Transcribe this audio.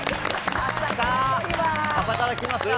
朝から来ました。